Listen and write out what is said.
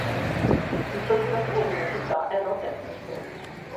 Il procuratore della città è Rod Anderson.